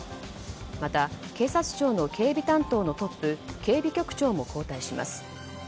また、警察庁の警備担当のトップ警備局長も交代します。